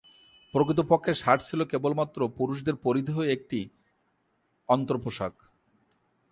প্রকৃতপক্ষে শার্ট ছিল কেবলমাত্র পুরুষদের পরিধেয় একটি অন্তর্পোশাক।